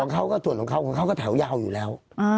เขาก็ส่วนของเขาของเขาก็แถวยาวอยู่แล้ว